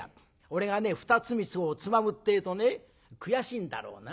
俺がね２つ３つつまむってえとね悔しいんだろうな。